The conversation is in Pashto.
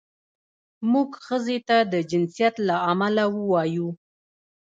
موږ ښځې ته د جنسیت له امله ووایو.